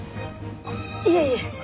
いえいえ。